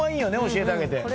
教えてあげて。